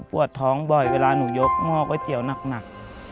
ค่ะพวทท้องบ่อยเวลาหนูยกงอกไก้เตี๋ยวนักนัก